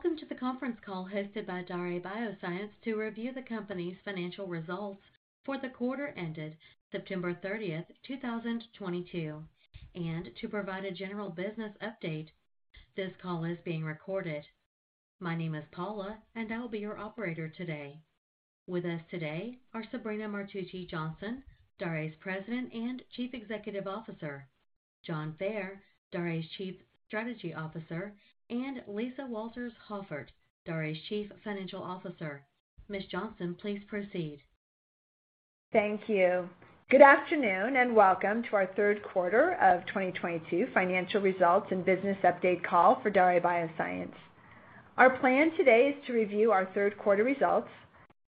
Welcome to the conference call hosted by Daré Bioscience to review the company's financial results for the quarter ended September 30, 2022, and to provide a general business update. This call is being recorded. My name is Paula, and I will be your operator today. With us today are Sabrina Martucci Johnson, Daré's President and Chief Executive Officer; John Fair, Daré's Chief Strategy Officer; and Lisa Walters-Hoffert, Daré's Chief Financial Officer. Ms. Johnson, please proceed. Thank you. Good afternoon, and welcome to our third quarter of 2022 financial results and business update call for Daré Bioscience. Our plan today is to review our third quarter results,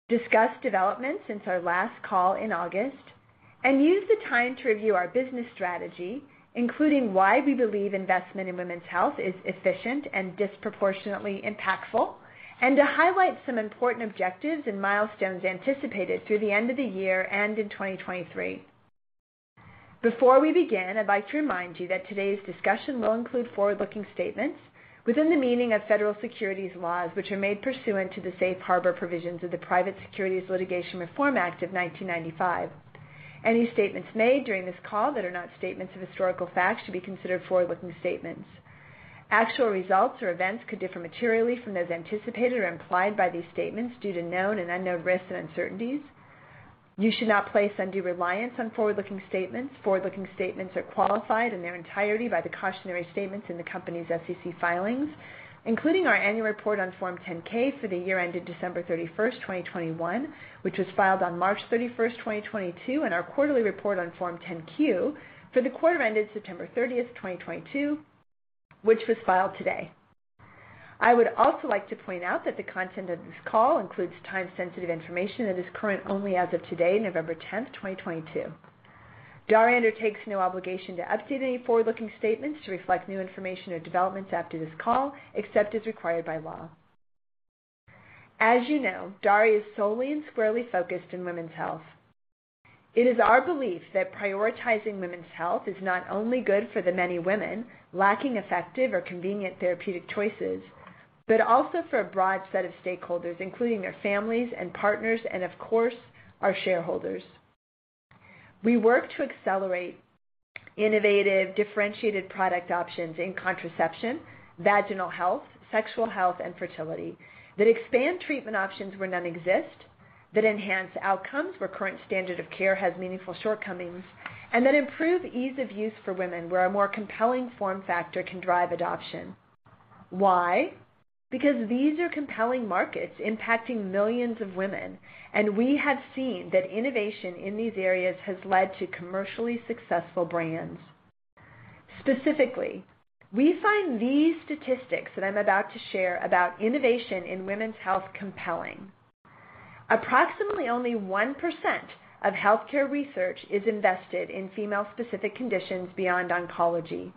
discuss developments since our last call in August, and use the time to review our business strategy, including why we believe investment in women's health is efficient and disproportionately impactful, and to highlight some important objectives and milestones anticipated through the end of the year and in 2023. Before we begin, I'd like to remind you that today's discussion will include forward-looking statements within the meaning of federal securities laws, which are made pursuant to the safe harbor provisions of the Private Securities Litigation Reform Act of 1995. Any statements made during this call that are not statements of historical fact should be considered forward-looking statements. Actual results or events could differ materially from those anticipated or implied by these statements due to known and unknown risks and uncertainties. You should not place undue reliance on forward-looking statements. Forward-looking statements are qualified in their entirety by the cautionary statements in the company's SEC filings, including our annual report on Form 10-K for the year ended December 31, 2021, which was filed on March 31, 2022, and our quarterly report on Form 10-Q for the quarter ended September 30, 2022, which was filed today. I would also like to point out that the content of this call includes time-sensitive information that is current only as of today, November 10, 2022. Daré undertakes no obligation to update any forward-looking statements to reflect new information or developments after this call, except as required by law. As you know, Daré is solely and squarely focused in women's health. It is our belief that prioritizing women's health is not only good for the many women lacking effective or convenient therapeutic choices, but also for a broad set of stakeholders, including their families and partners and, of course, our shareholders. We work to accelerate innovative, differentiated product options in contraception, vaginal health, sexual health, and fertility that expand treatment options where none exist, that enhance outcomes where current standard of care has meaningful shortcomings, and that improve ease of use for women where a more compelling form factor can drive adoption. Why? Because these are compelling markets impacting millions of women, and we have seen that innovation in these areas has led to commercially successful brands. Specifically, we find these statistics that I'm about to share about innovation in women's health compelling. Approximately only 1% of healthcare research is invested in female-specific conditions beyond oncology,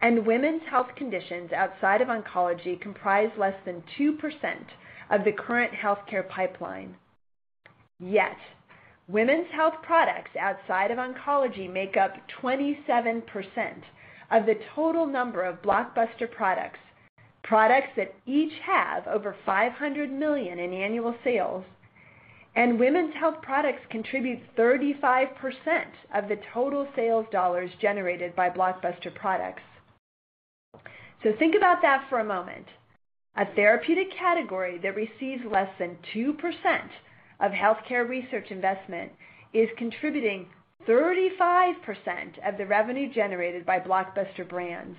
and women's health conditions outside of oncology comprise less than 2% of the current healthcare pipeline. Yet women's health products outside of oncology make up 27% of the total number of blockbuster products that each have over $500 million in annual sales, and women's health products contribute 35% of the total sales dollars generated by blockbuster products. Think about that for a moment. A therapeutic category that receives less than 2% of healthcare research investment is contributing 35% of the revenue generated by blockbuster brands.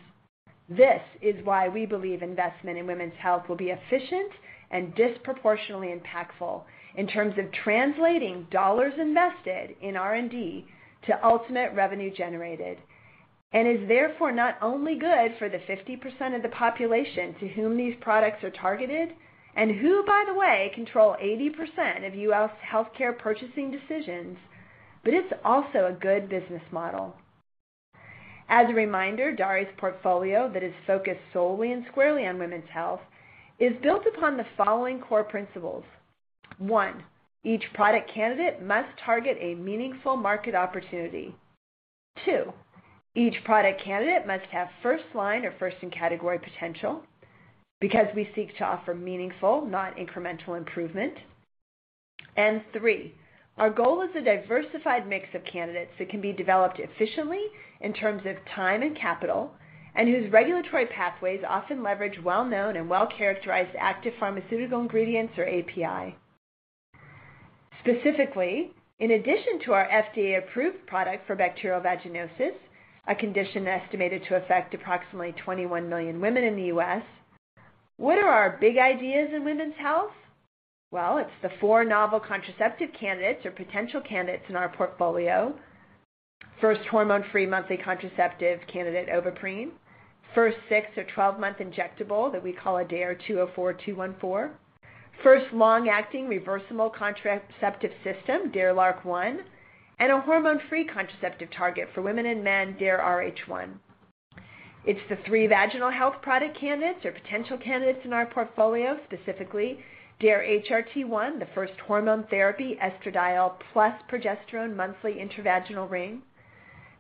This is why we believe investment in women's health will be efficient and disproportionately impactful in terms of translating dollars invested in R&D to ultimate revenue generated and is therefore not only good for the 50% of the population to whom these products are targeted and who, by the way, control 80% of U.S. healthcare purchasing decisions, but it's also a good business model. As a reminder, Daré's portfolio that is focused solely and squarely on women's health is built upon the following core principles. One, each product candidate must target a meaningful market opportunity. Two, each product candidate must have first-line or first-in-category potential because we seek to offer meaningful, not incremental, improvement. Three, our goal is a diversified mix of candidates that can be developed efficiently in terms of time and capital and whose regulatory pathways often leverage well-known and well-characterized active pharmaceutical ingredients or API. Specifically, in addition to our FDA-approved product for bacterial vaginosis, a condition estimated to affect approximately 21 million women in the U.S., what are our big ideas in women's health? Well, it's the 4 novel contraceptive candidates or potential candidates in our portfolio. First hormone-free monthly contraceptive candidate, Ovaprene. First 6- or 12-month injectable that we call DARE-204/214. First long-acting reversible contraceptive system, DARE-LARC1. A hormone-free contraceptive target for women and men, DARE-RH1. It's the three vaginal health product candidates or potential candidates in our portfolio, specifically DARE-HRT1, the first hormone therapy estradiol plus progesterone monthly intravaginal ring.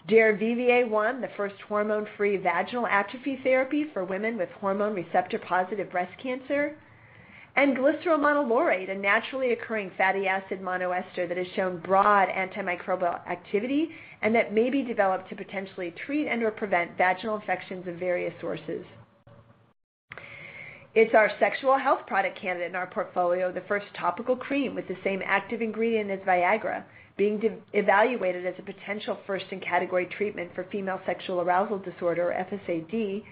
DARE-VVA1, the first hormone-free vaginal atrophy therapy for women with hormone receptor-positive breast cancer, and glyceryl monolaurate, a naturally occurring fatty acid monoester that has shown broad antimicrobial activity and that may be developed to potentially treat and/or prevent vaginal infections of various sources. It's our sexual health product candidate in our portfolio, the first topical cream with the same active ingredient as Viagra, being evaluated as a potential first-in-category treatment for female sexual arousal disorder, FSAD,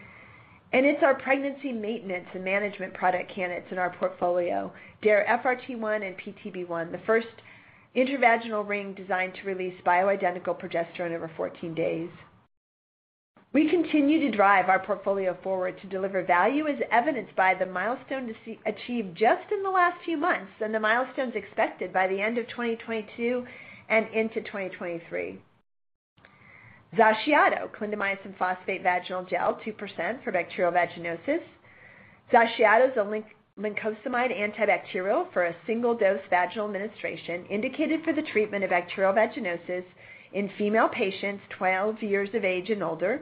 and it's our pregnancy maintenance and management product candidates in our portfolio, DARE-FRT1 and DARE-PTB1, the first intravaginal ring designed to release bioidentical progesterone over 14 days. We continue to drive our portfolio forward to deliver value as evidenced by the milestones achieved just in the last few months and the milestones expected by the end of 2022 and into 2023. XACIATO, clindamycin phosphate vaginal gel, 2% for bacterial vaginosis. XACIATO is a lincosamide antibacterial for a single-dose vaginal administration indicated for the treatment of bacterial vaginosis in female patients 12 years of age and older.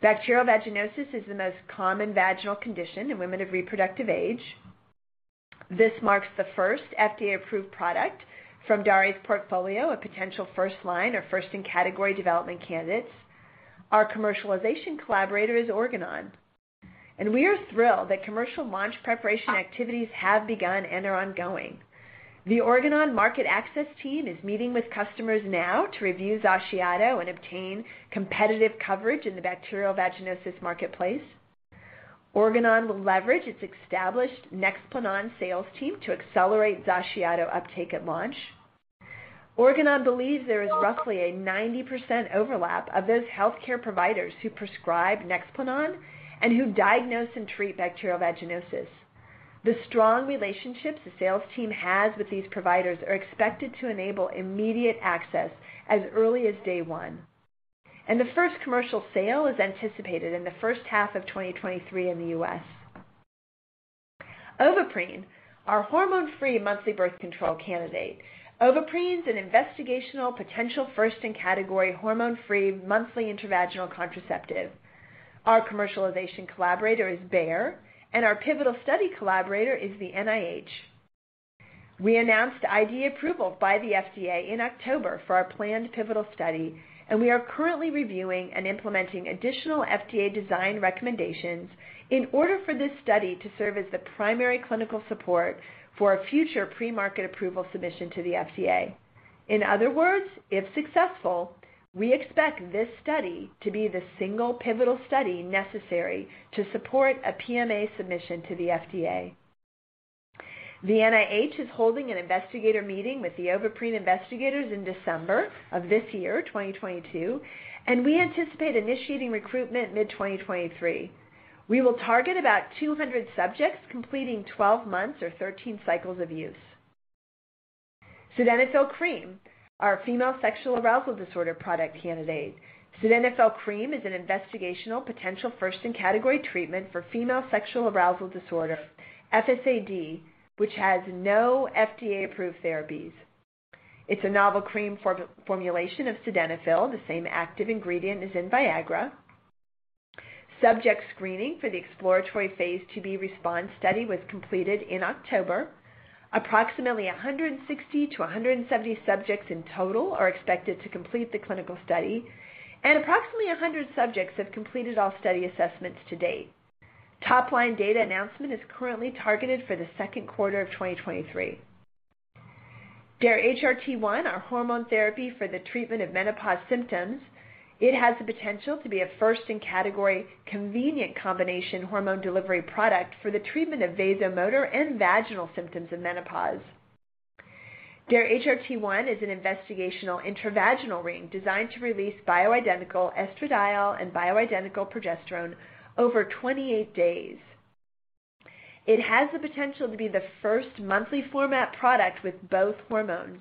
Bacterial vaginosis is the most common vaginal condition in women of reproductive age. This marks the first FDA-approved product from Daré's portfolio, a potential first-line or first-in-category development candidates. Our commercialization collaborator is Organon, and we are thrilled that commercial launch preparation activities have begun and are ongoing. The Organon market access team is meeting with customers now to review XACIATO and obtain competitive coverage in the bacterial vaginosis marketplace. Organon will leverage its established Nexplanon sales team to accelerate XACIATO uptake at launch. Organon believes there is roughly a 90% overlap of those healthcare providers who prescribe Nexplanon and who diagnose and treat bacterial vaginosis. The strong relationships the sales team has with these providers are expected to enable immediate access as early as day one, and the first commercial sale is anticipated in the first half of 2023 in the U.S. Ovaprene, our hormone-free monthly birth control candidate. Ovaprene is an investigational potential first in category hormone-free monthly intravaginal contraceptive. Our commercialization collaborator is Bayer, and our pivotal study collaborator is the NIH. We announced IDE approval by the FDA in October for our planned pivotal study, and we are currently reviewing and implementing additional FDA design recommendations in order for this study to serve as the primary clinical support for a future pre-market approval submission to the FDA. In other words, if successful, we expect this study to be the single pivotal study necessary to support a PMA submission to the FDA. The NIH is holding an investigator meeting with the Ovaprene investigators in December of this year, 2022, and we anticipate initiating recruitment mid-2023. We will target about 200 subjects completing 12 months or 13 cycles of use. Sildenafil Cream, our female sexual arousal disorder product candidate, is an investigational potential first in category treatment for female sexual arousal disorder, FSAD, which has no FDA-approved therapies. It's a novel cream formulation of sildenafil, the same active ingredient as in Viagra. Subject screening for the exploratory phase IIb RESPOND study was completed in October. Approximately 160-170 subjects in total are expected to complete the clinical study, and approximately 100 subjects have completed all study assessments to date. Top-line data announcement is currently targeted for the second quarter of 2023. DARE-HRT1, our hormone therapy for the treatment of menopause symptoms. It has the potential to be a first in category convenient combination hormone delivery product for the treatment of vasomotor and vaginal symptoms of menopause. DARE-HRT1 is an investigational intravaginal ring designed to release bio-identical estradiol and bio-identical progesterone over 28 days. It has the potential to be the first monthly format product with both hormones.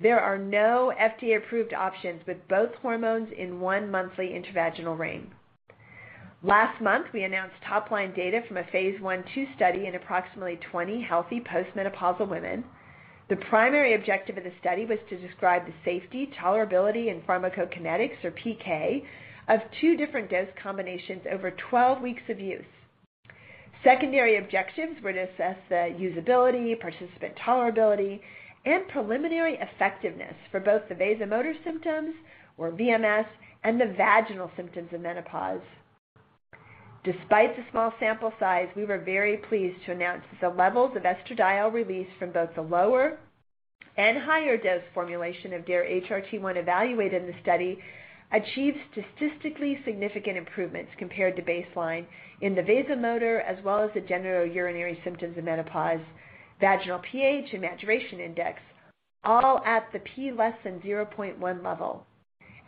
There are no FDA-approved options with both hormones in one monthly intravaginal ring. Last month, we announced top-line data from a phase I/II study in approximately 20 healthy postmenopausal women. The primary objective of the study was to describe the safety, tolerability, and pharmacokinetics, or PK, of two different dose combinations over 12 weeks of use. Secondary objectives were to assess the usability, participant tolerability, and preliminary effectiveness for both the vasomotor symptoms, or VMS, and the vaginal symptoms of menopause. Despite the small sample size, we were very pleased to announce that the levels of estradiol released from both the lower and higher dose formulation of DARE-HRT1 evaluated in the study achieved statistically significant improvements compared to baseline in the vasomotor as well as the genitourinary symptoms of menopause, vaginal pH, and maturation index, all at the P less than 0.1 level.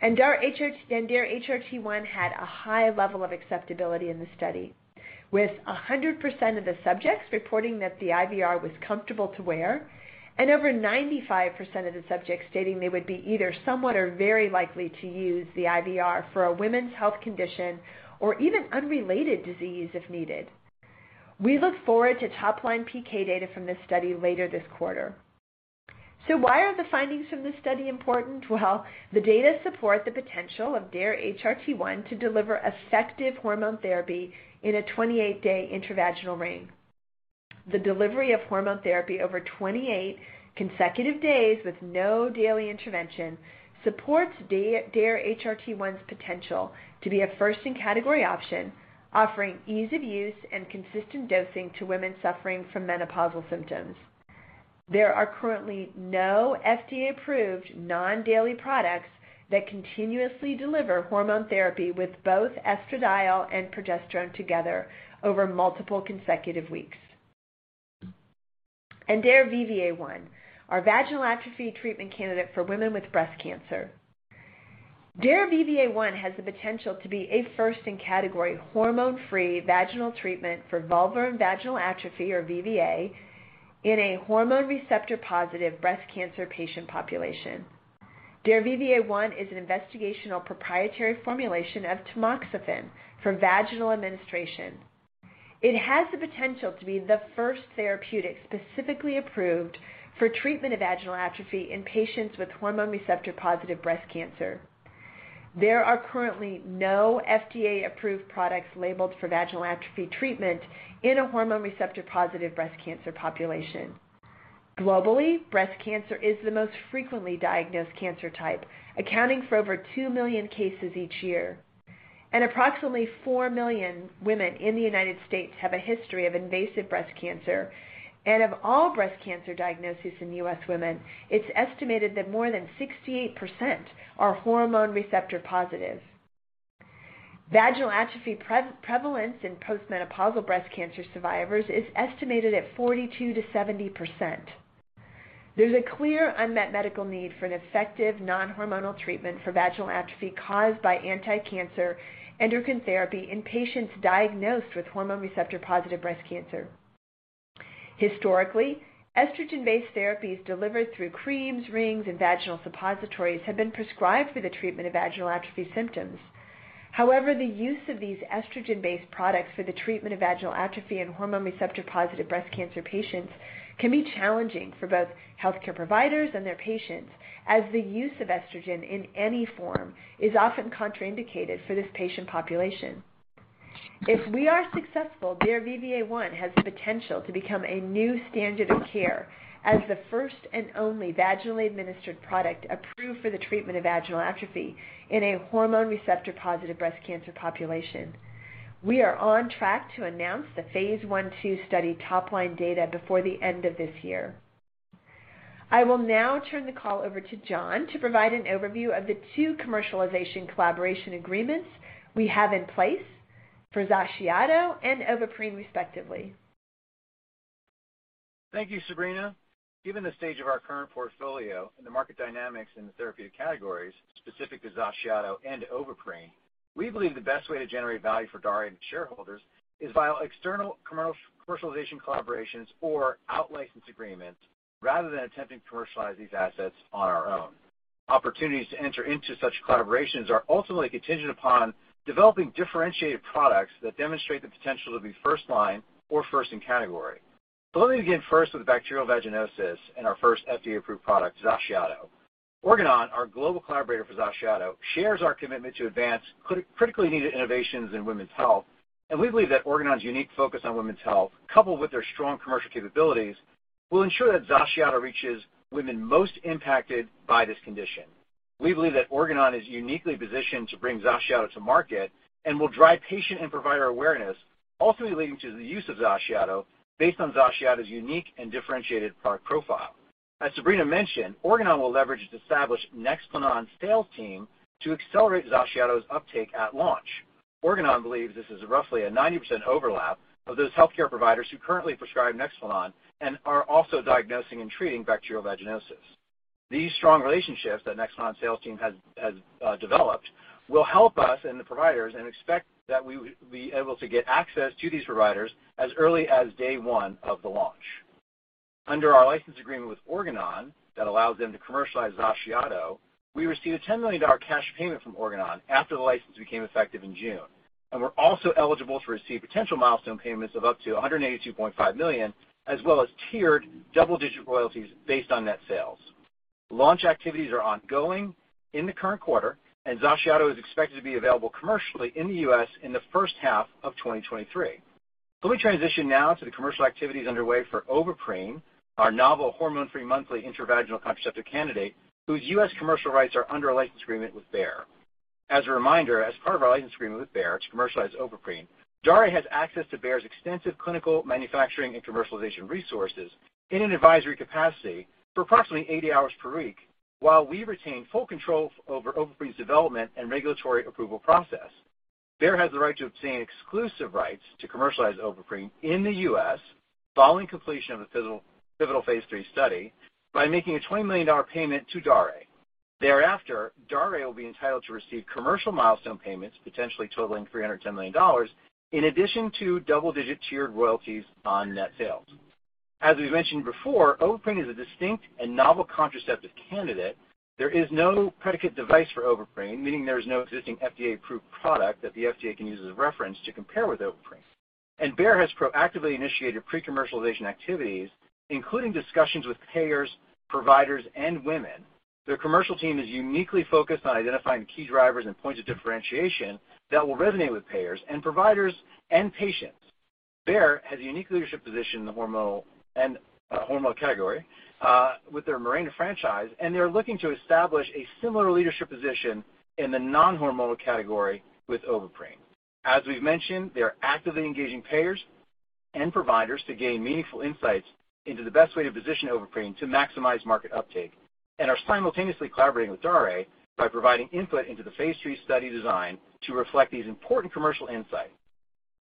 DARE-HRT1 had a high level of acceptability in the study, with 100% of the subjects reporting that the IVR was comfortable to wear and over 95% of the subjects stating they would be either somewhat or very likely to use the IVR for a women's health condition or even unrelated disease if needed. We look forward to top-line PK data from this study later this quarter. Why are the findings from this study important? Well, the data support the potential of DARE-HRT1 to deliver effective hormone therapy in a 28-day intravaginal ring. The delivery of hormone therapy over 28 consecutive days with no daily intervention supports DARE-HRT1's potential to be a first-in-category option, offering ease of use and consistent dosing to women suffering from menopausal symptoms. There are currently no FDA-approved non-daily products that continuously deliver hormone therapy with both estradiol and progesterone together over multiple consecutive weeks. DARE-VVA1, our vaginal atrophy treatment candidate for women with breast cancer. DARE-VVA1 has the potential to be a first in category hormone-free vaginal treatment for vulvar and vaginal atrophy, or VVA, in a hormone receptor-positive breast cancer patient population. DARE-VVA1 is an investigational proprietary formulation of tamoxifen for vaginal administration. It has the potential to be the first therapeutic specifically approved for treatment of vaginal atrophy in patients with hormone receptor-positive breast cancer. There are currently no FDA-approved products labeled for vaginal atrophy treatment in a hormone receptor-positive breast cancer population. Globally, breast cancer is the most frequently diagnosed cancer type, accounting for over 2 million cases each year. Approximately 4 million women in the United States have a history of invasive breast cancer. Of all breast cancer diagnoses in U.S. women, it's estimated that more than 68% are hormone receptor positive. Vaginal atrophy prevalence in postmenopausal breast cancer survivors is estimated at 42%-70%. There's a clear unmet medical need for an effective non-hormonal treatment for vaginal atrophy caused by anti-cancer endocrine therapy in patients diagnosed with hormone receptor-positive breast cancer. Historically, estrogen-based therapies delivered through creams, rings, and vaginal suppositories have been prescribed for the treatment of vaginal atrophy symptoms. However, the use of these estrogen-based products for the treatment of vaginal atrophy in hormone receptor-positive breast cancer patients can be challenging for both healthcare providers and their patients, as the use of estrogen in any form is often contraindicated for this patient population. If we are successful, DARE-VVA1 has the potential to become a new standard of care as the first and only vaginally administered product approved for the treatment of vaginal atrophy in a hormone receptor-positive breast cancer population. We are on track to announce the phase I/2 study top-line data before the end of this year. I will now turn the call over to John to provide an overview of the two commercialization collaboration agreements we have in place for XACIATO and Ovaprene, respectively. Thank you, Sabrina. Given the stage of our current portfolio and the market dynamics in the therapeutic categories specific to XACIATO and Ovaprene, we believe the best way to generate value for Daré shareholders is via external commercialization collaborations or out-license agreements, rather than attempting to commercialize these assets on our own. Opportunities to enter into such collaborations are ultimately contingent upon developing differentiated products that demonstrate the potential to be first-line or first in category. Let me begin first with bacterial vaginosis and our first FDA-approved product, XACIATO. Organon, our global collaborator for XACIATO, shares our commitment to advance critically needed innovations in women's health, and we believe that Organon's unique focus on women's health, coupled with their strong commercial capabilities, will ensure that XACIATO reaches women most impacted by this condition. We believe that Organon is uniquely positioned to bring XACIATO to market and will drive patient and provider awareness, ultimately leading to the use of XACIATO based on XACIATO's unique and differentiated product profile. As Sabrina mentioned, Organon will leverage its established Nexplanon sales team to accelerate XACIATO's uptake at launch. Organon believes this is roughly a 90% overlap of those healthcare providers who currently prescribe Nexplanon and are also diagnosing and treating bacterial vaginosis. These strong relationships that Nexplanon sales team has developed will help us and the providers and we expect that we will be able to get access to these providers as early as day one of the launch. Under our license agreement with Organon that allows them to commercialize XACIATO, we received a $10 million cash payment from Organon after the license became effective in June, and we're also eligible to receive potential milestone payments of up to $182.5 million, as well as tiered double-digit royalties based on net sales. Launch activities are ongoing in the current quarter, and XACIATO is expected to be available commercially in the U.S. in the first half of 2023. Let me transition now to the commercial activities underway for Ovaprene, our novel hormone-free monthly intravaginal contraceptive candidate whose U.S. commercial rights are under a license agreement with Bayer. As a reminder, as part of our license agreement with Bayer to commercialize Ovaprene, Daré has access to Bayer's extensive clinical manufacturing and commercialization resources in an advisory capacity for approximately 80 hours per week, while we retain full control over Ovaprene's development and regulatory approval process. Bayer has the right to obtain exclusive rights to commercialize Ovaprene in the U.S. following completion of the pivotal phase III study by making a $20 million payment to Daré. Thereafter, Daré will be entitled to receive commercial milestone payments, potentially totaling $310 million, in addition to double-digit tiered royalties on net sales. As we've mentioned before, Ovaprene is a distinct and novel contraceptive candidate. There is no predicate device for Ovaprene, meaning there is no existing FDA-approved product that the FDA can use as a reference to compare with Ovaprene. Bayer has proactively initiated pre-commercialization activities, including discussions with payers, providers, and women. Their commercial team is uniquely focused on identifying key drivers and points of differentiation that will resonate with payers and providers and patients. Bayer has a unique leadership position in the hormonal category, with their Mirena franchise, and they're looking to establish a similar leadership position in the non-hormonal category with Ovaprene. As we've mentioned, they are actively engaging payers and providers to gain meaningful insights into the best way to position Ovaprene to maximize market uptake, and are simultaneously collaborating with Daré by providing input into the phase III study design to reflect these important commercial insights.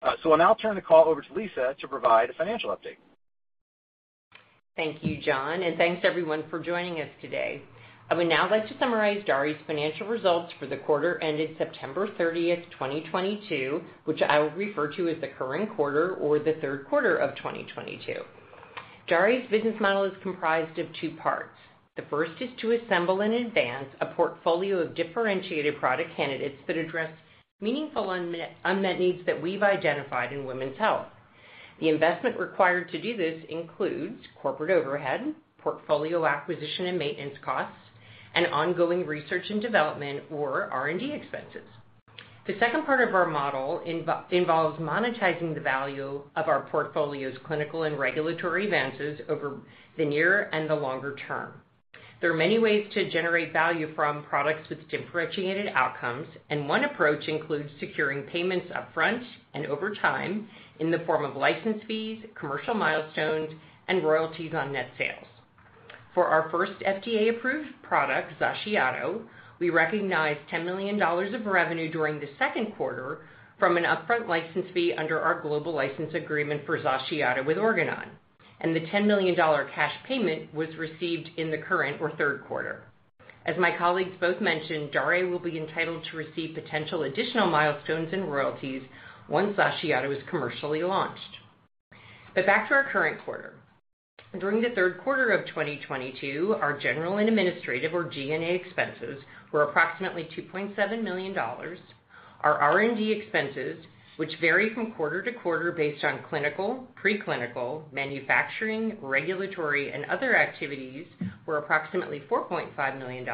I'll now turn the call over to Lisa to provide a financial update. Thank you, John, and thanks everyone for joining us today. I would now like to summarize Daré's financial results for the quarter ended September 30, 2022, which I will refer to as the current quarter or the third quarter of 2022. Daré's business model is comprised of two parts. The first is to assemble in advance a portfolio of differentiated product candidates that address meaningful unmet needs that we've identified in women's health. The investment required to do this includes corporate overhead, portfolio acquisition and maintenance costs, and ongoing research and development or R&D expenses. The second part of our model involves monetizing the value of our portfolio's clinical and regulatory advances over the near and the longer term. There are many ways to generate value from products with differentiated outcomes, and one approach includes securing payments upfront and over time in the form of license fees, commercial milestones, and royalties on net sales. For our first FDA-approved product, XACIATO, we recognized $10 million of revenue during the second quarter from an upfront license fee under our global license agreement for XACIATO with Organon, and the $10 million cash payment was received in the current or third quarter. As my colleagues both mentioned, Daré will be entitled to receive potential additional milestones and royalties once XACIATO is commercially launched. Back to our current quarter. During the third quarter of 2022, our general and administrative or G&A expenses were approximately $2.7 million. Our R&D expenses, which vary from quarter-to-quarter based on clinical, preclinical, manufacturing, regulatory, and other activities, were approximately $4.5 million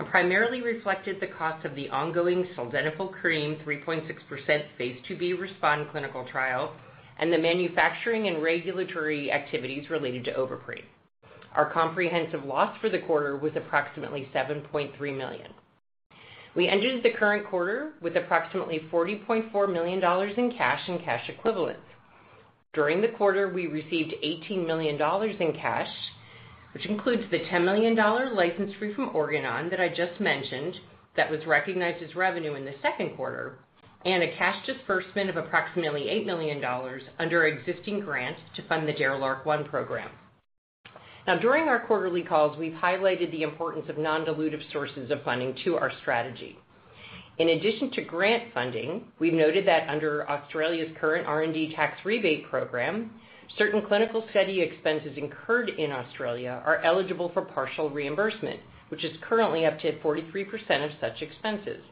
and primarily reflected the cost of the ongoing Sildenafil Cream, 3.6% phase IIb RESPOND clinical trial and the manufacturing and regulatory activities related to Ovaprene. Our comprehensive loss for the quarter was approximately $7.3 million. We ended the current quarter with approximately $40.4 million in cash and cash equivalents. During the quarter, we received $18 million in cash, which includes the $10 million license fee from Organon that I just mentioned that was recognized as revenue in the second quarter, and a cash disbursement of approximately $8 million under existing grants to fund the DARE-LARC1 program. Now, during our quarterly calls, we've highlighted the importance of non-dilutive sources of funding to our strategy. In addition to grant funding, we've noted that under Australia's current R&D tax rebate program, certain clinical study expenses incurred in Australia are eligible for partial reimbursement, which is currently up to 43% of such expenses.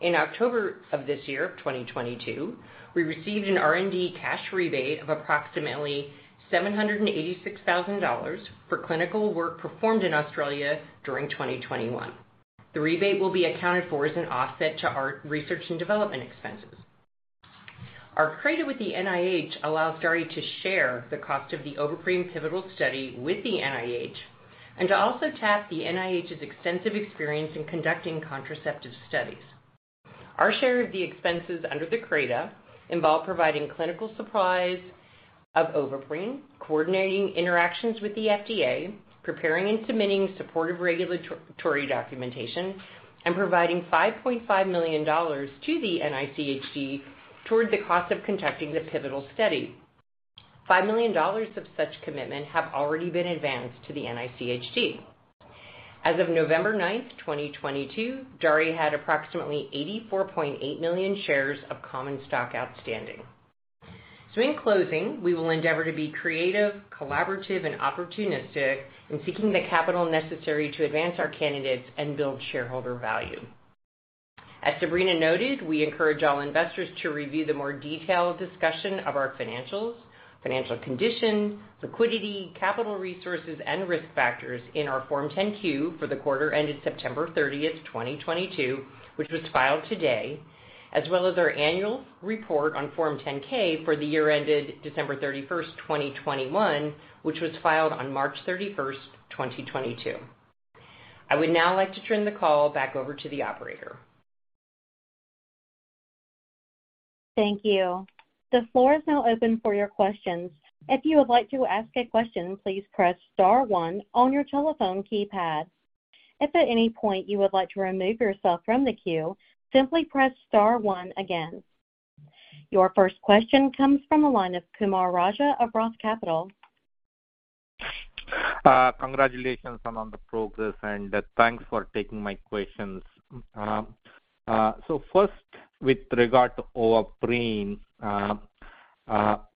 In October 2022, we received an R&D cash rebate of approximately $786,000 for clinical work performed in Australia during 2021. The rebate will be accounted for as an offset to our research and development expenses. Our credit with the NIH allows Daré to share the cost of the Ovaprene pivotal study with the NIH and to also tap the NIH's extensive experience in conducting contraceptive studies. Our share of the expenses under the CRADA involve providing clinical supplies of Ovaprene, coordinating interactions with the FDA, preparing and submitting supportive regulatory documentation, and providing $5.5 million to the NICHD toward the cost of conducting the pivotal study. $5 million of such commitment have already been advanced to the NICHD. As of November 9, 2022, Daré had approximately 84.8 million shares of common stock outstanding. In closing, we will endeavor to be creative, collaborative, and opportunistic in seeking the capital necessary to advance our candidates and build shareholder value. As Sabrina noted, we encourage all investors to review the more detailed discussion of our financials, financial condition, liquidity, capital resources, and risk factors in our Form 10-Q for the quarter ended September 30, 2022, which was filed today, as well as our annual report on Form 10-K for the year ended December 31, 2021, which was filed on March 31, 2022. I would now like to turn the call back over to the operator. Thank you. The floor is now open for your questions. If you would like to ask a question, please press star one on your telephone keypad. If at any point you would like to remove yourself from the queue, simply press star one again. Your first question comes from the line of Kumar Raja of Roth Capital. Congratulations on the progress, and thanks for taking my questions. First with regard to Ovaprene,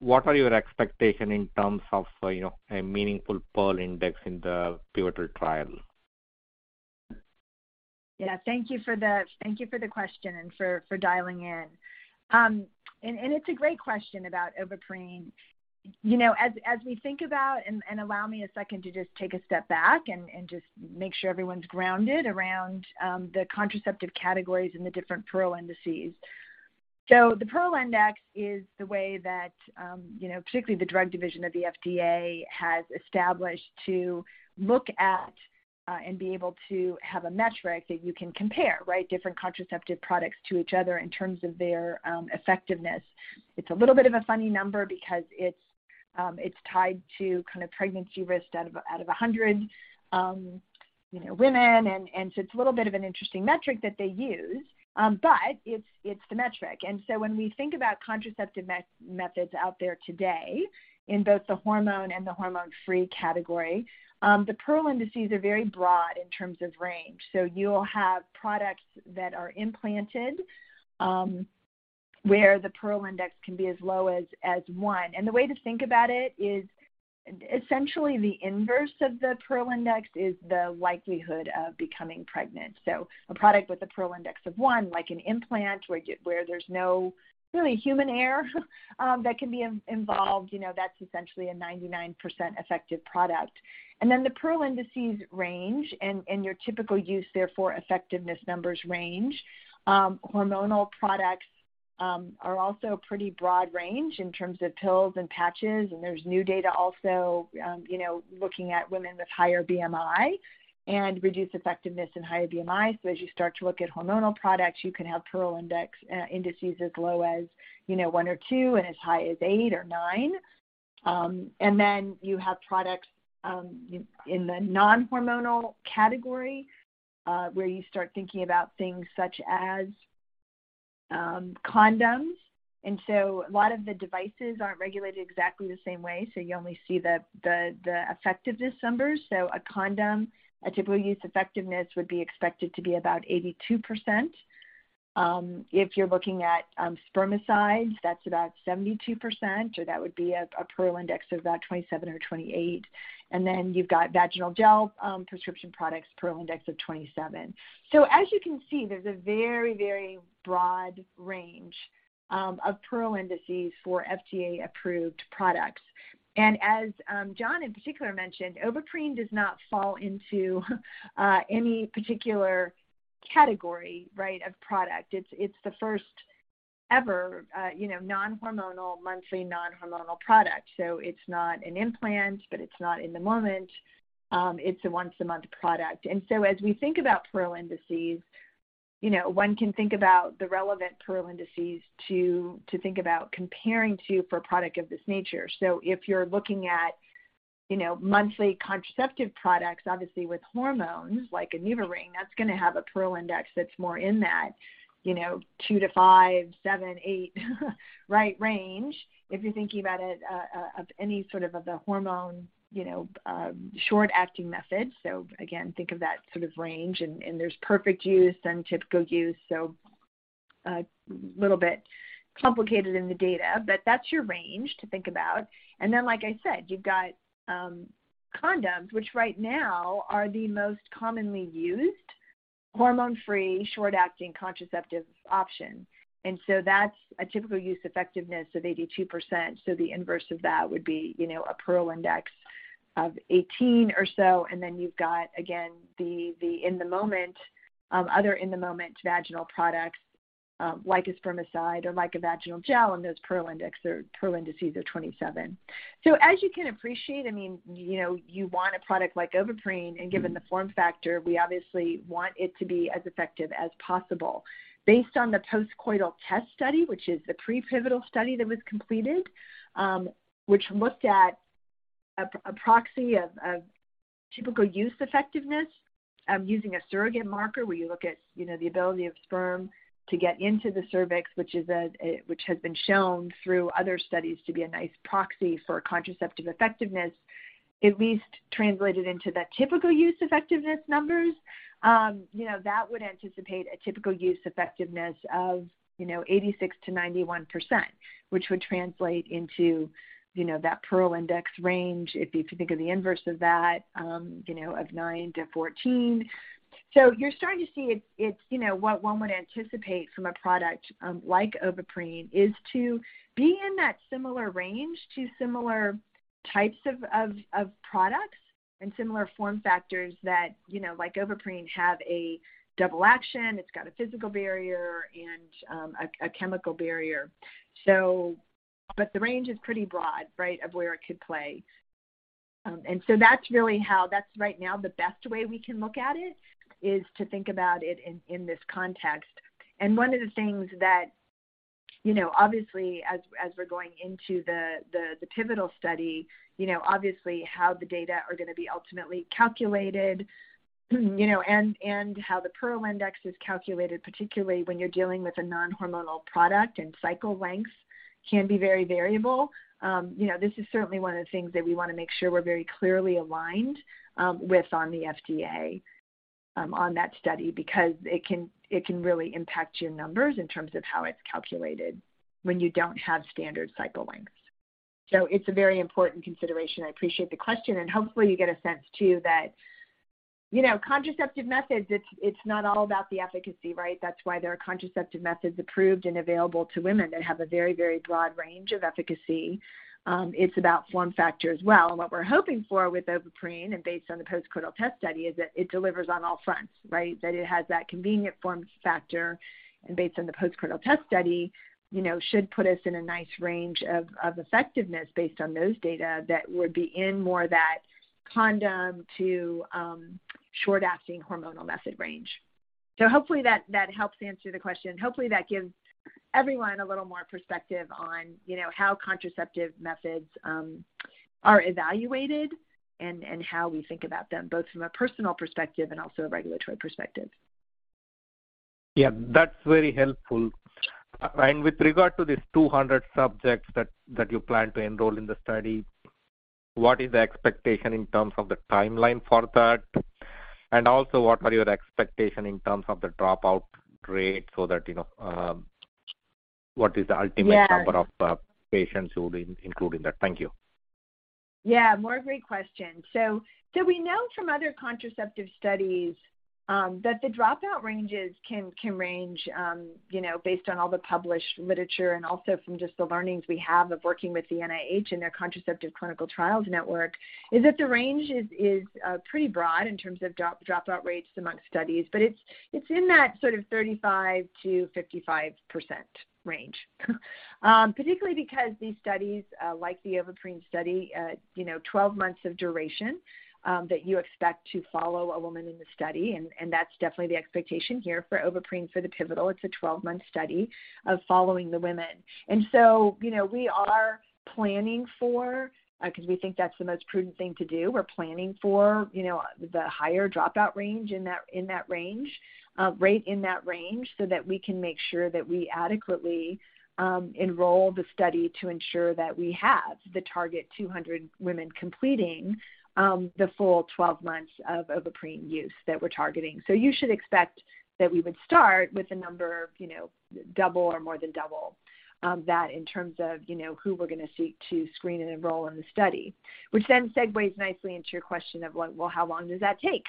what are your expectation in terms of, you know, a meaningful Pearl Index in the pivotal trial? Yeah, thank you for the question and for dialing in. It's a great question about Ovaprene. Allow me a second to just take a step back and just make sure everyone's grounded around the contraceptive categories and the different Pearl indices. The Pearl Index is the way that, you know, particularly the drug division of the FDA has established to look at and be able to have a metric that you can compare, right, different contraceptive products to each other in terms of their effectiveness. It's a little bit of a funny number because it's tied to kind of pregnancy risk out of 100, you know, women. It's a little bit of an interesting metric that they use. It's the metric. When we think about contraceptive methods out there today in both the hormone and the hormone-free category, the Pearl indices are very broad in terms of range. You'll have products that are implanted, where the Pearl Index can be as low as one. The way to think about it is essentially the inverse of the Pearl Index is the likelihood of becoming pregnant. A product with a Pearl Index of one, like an implant where there's no really human error that can be involved, you know, that's essentially a 99% effective product. Then the Pearl indices range and your typical use, therefore effectiveness numbers range. Hormonal products are also pretty broad range in terms of pills and patches, and there's new data also, you know, looking at women with higher BMI and reduced effectiveness in higher BMI. As you start to look at hormonal products, you can have Pearl Index indices as low as, you know, 1 or 2 and as high as 8 or 9. And then you have products in the non-hormonal category, where you start thinking about things such as condoms. A lot of the devices aren't regulated exactly the same way, so you only see the effectiveness numbers. A condom, a typical use effectiveness would be expected to be about 82%. If you're looking at spermicides, that's about 72%, so that would be a Pearl Index of about 27 or 28. You've got vaginal gel, prescription products, Pearl Index of 27. As you can see, there's a very, very broad range of Pearl Indices for FDA-approved products. As John in particular mentioned, Ovaprene does not fall into any particular category, right, of product. It's the first ever, you know, non-hormonal, monthly non-hormonal product. It's not an implant, but it's not in the moment. It's a once-a-month product. As we think about Pearl Indices, you know, one can think about the relevant Pearl Indices to think about comparing to for a product of this nature. If you're looking at, you know, monthly contraceptive products, obviously with hormones like a NuvaRing, that's gonna have a Pearl Index that's more in that, you know, 2-5, 7, 8 right range. If you're thinking about it of any sort of hormonal, you know, short-acting methods. Again, think of that sort of range and there's perfect use and typical use. A little bit complicated in the data, but that's your range to think about. Like I said, you've got condoms, which right now are the most commonly used hormone-free, short-acting contraceptive option. That's a typical use effectiveness of 82%. The inverse of that would be, you know, a Pearl Index of 18 or so, and then you've got again the in-the-moment other in-the-moment vaginal products like a spermicide or like a vaginal gel, and those Pearl Index or Pearl Indices are 27. As you can appreciate, I mean, you know, you want a product like Ovaprene, and given the form factor, we obviously want it to be as effective as possible. Based on the postcoital test study, which is the pre-pivotal study that was completed, which looked at a proxy of typical use effectiveness, using a surrogate marker where you look at, you know, the ability of sperm to get into the cervix, which has been shown through other studies to be a nice proxy for contraceptive effectiveness. At least translated into the typical use effectiveness numbers, you know, that would anticipate a typical use effectiveness of, you know, 86%-91%, which would translate into, you know, that Pearl Index range if you think of the inverse of that, you know, of 9-14. You're starting to see it's, you know, what one would anticipate from a product like Ovaprene is to be in that similar range to similar types of of products and similar form factors that, you know, like Ovaprene, have a double action. It's got a physical barrier and a chemical barrier. But the range is pretty broad, right, of where it could play. That's really how that's right now the best way we can look at it, is to think about it in this context. One of the things that, you know, obviously as we're going into the pivotal study, you know, obviously how the data are gonna be ultimately calculated, you know, and how the Pearl Index is calculated, particularly when you're dealing with a non-hormonal product, and cycle lengths can be very variable. You know, this is certainly one of the things that we wanna make sure we're very clearly aligned with the FDA on that study because it can really impact your numbers in terms of how it's calculated when you don't have standard cycle lengths. It's a very important consideration. I appreciate the question, and hopefully you get a sense too that, you know, contraceptive methods, it's not all about the efficacy, right? That's why there are contraceptive methods approved and available to women that have a very, very broad range of efficacy. It's about form factor as well. What we're hoping for with Ovaprene, and based on the postcoital test study, is that it delivers on all fronts, right? That it has that convenient form factor and based on the postcoital test study, you know, should put us in a nice range of effectiveness based on those data that would be in more that condom to short-acting hormonal method range. Hopefully that helps answer the question. Hopefully, that gives everyone a little more perspective on, you know, how contraceptive methods are evaluated and how we think about them, both from a personal perspective and also a regulatory perspective. Yeah, that's very helpful. With regard to these 200 subjects that you plan to enroll in the study, what is the expectation in terms of the timeline for that? Also what are your expectation in terms of the dropout rate so that, you know, what is the ultimate Yeah. Number of patients you will include in that? Thank you. Yeah, more great questions. We know from other contraceptive studies that the dropout ranges can range you know, based on all the published literature and also from just the learnings we have of working with the NIH and their Contraceptive Clinical Trials Network, is that the range is pretty broad in terms of dropout rates among studies. It's in that sort of 35%-55% range. Particularly because these studies like the Ovaprene study you know, 12 months of duration that you expect to follow a woman in the study, and that's definitely the expectation here for Ovaprene for the pivotal. It's a 12-month study of following the women. You know, we are planning for, 'cause we think that's the most prudent thing to do, we're planning for, you know, the higher dropout rate in that range so that we can make sure that we adequately enroll the study to ensure that we have the target 200 women completing the full 12 months of Ovaprene use that we're targeting. You should expect that we would start with a number of, you know, double or more than double that in terms of, you know, who we're gonna seek to screen and enroll in the study. Which then segues nicely into your question of like, well, how long does that take,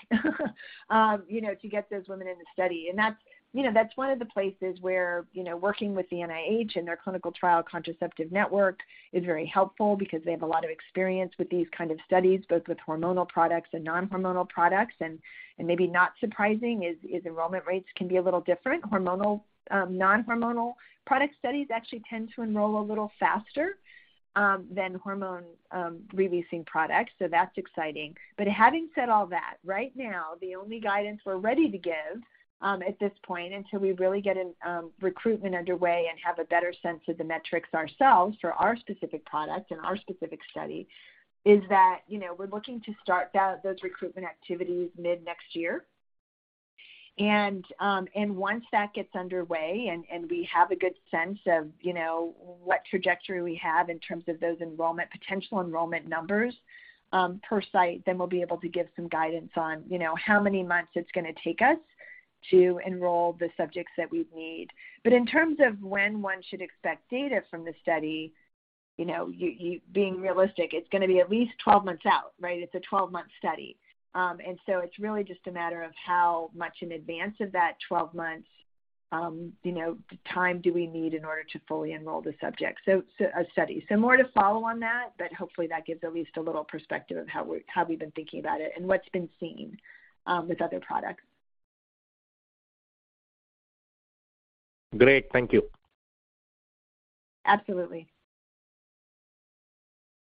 you know, to get those women in the study? That's one of the places where, you know, working with the NIH and their Contraceptive Clinical Trials Network is very helpful because they have a lot of experience with these kind of studies, both with hormonal products and non-hormonal products. Maybe not surprising is enrollment rates can be a little different. Hormonal, non-hormonal product studies actually tend to enroll a little faster than hormone releasing products, so that's exciting. Having said all that, right now, the only guidance we're ready to give at this point until we really get recruitment underway and have a better sense of the metrics ourselves for our specific product and our specific study is that, you know, we're looking to start those recruitment activities mid-next year. Once that gets underway and we have a good sense of, you know, what trajectory we have in terms of those enrollment, potential enrollment numbers, per site, then we'll be able to give some guidance on, you know, how many months it's gonna take us to enroll the subjects that we need. But in terms of when one should expect data from the study, you know, you being realistic, it's gonna be at least 12 months out, right? It's a 12-month study. It's really just a matter of how much in advance of that 12 months, you know, time do we need in order to fully enroll the subjects. More to follow on that, but hopefully, that gives at least a little perspective of how we've been thinking about it and what's been seen with other products. Great. Thank you. Absolutely.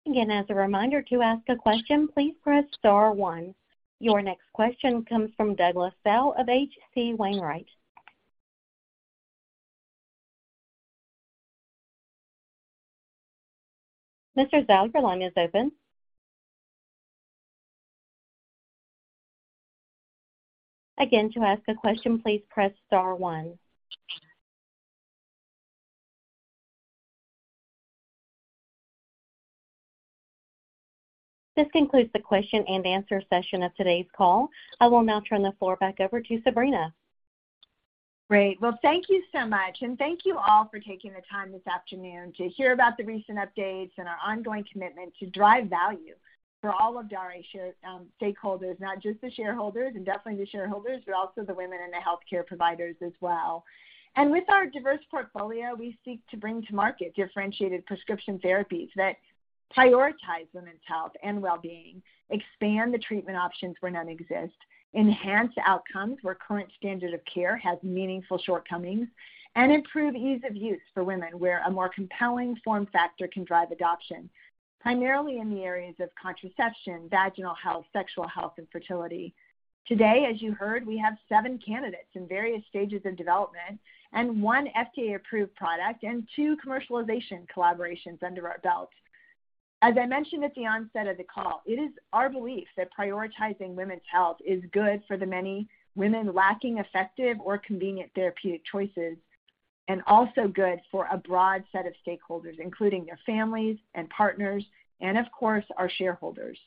Again, as a reminder, to ask a question, please press star one. Your next question comes from Douglas Tsao of H.C. Wainwright. Mr. Tsao, your line is open. Again, to ask a question, please press star one. This concludes the question and answer session of today's call. I will now turn the floor back over to Sabrina. Great. Well, thank you so much. Thank you all for taking the time this afternoon to hear about the recent updates and our ongoing commitment to drive value for all of Daré shareholders, stakeholders, not just the shareholders and definitely the shareholders, but also the women and the healthcare providers as well. With our diverse portfolio, we seek to bring to market differentiated prescription therapies that prioritize women's health and well-being, expand the treatment options where none exist, enhance outcomes where current standard of care has meaningful shortcomings, and improve ease of use for women, where a more compelling form factor can drive adoption, primarily in the areas of contraception, vaginal health, sexual health, and fertility. Today, as you heard, we have seven candidates in various stages of development and one FDA-approved product and two commercialization collaborations under our belt. As I mentioned at the onset of the call, it is our belief that prioritizing women's health is good for the many women lacking effective or convenient therapeutic choices, and also good for a broad set of stakeholders, including their families and partners and, of course, our shareholders.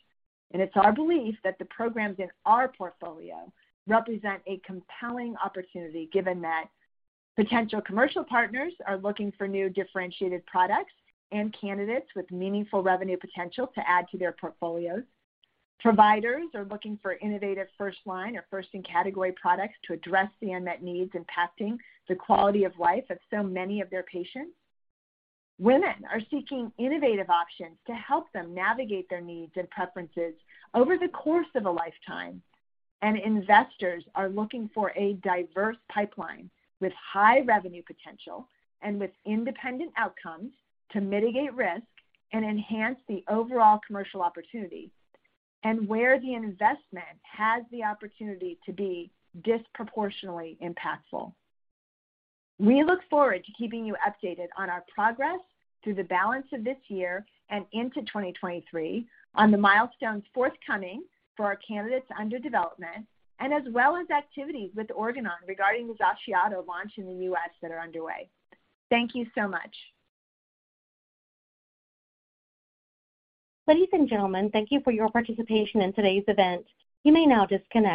It's our belief that the programs in our portfolio represent a compelling opportunity, given that potential commercial partners are looking for new differentiated products and candidates with meaningful revenue potential to add to their portfolios. Providers are looking for innovative first-line or first-in-category products to address the unmet needs impacting the quality of life of so many of their patients. Women are seeking innovative options to help them navigate their needs and preferences over the course of a lifetime. Investors are looking for a diverse pipeline with high revenue potential and with independent outcomes to mitigate risk and enhance the overall commercial opportunity and where the investment has the opportunity to be disproportionately impactful. We look forward to keeping you updated on our progress through the balance of this year and into 2023 on the milestones forthcoming for our candidates under development and as well as activities with Organon regarding the XACIATO launch in the U.S. that are underway. Thank you so much. Ladies and gentlemen, thank you for your participation in today's event. You may now disconnect.